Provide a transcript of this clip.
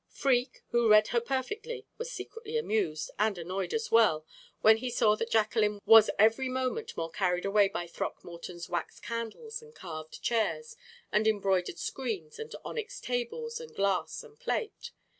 Freke, who read her perfectly, was secretly amused, and annoyed as well, when he saw that Jacqueline was every moment more carried away by Throckmorton's wax candles and carved chairs and embroidered screens and onyx tables, and glass and plate.